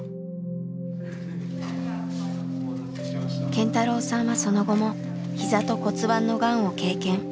健太朗さんはその後もひざと骨盤のがんを経験。